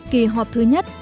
kỳ họp thứ nhất